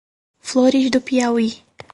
Flores do Piauí